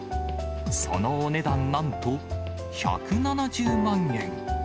そのお値段、なんと、１７０万円。